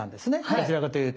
どちらかというと。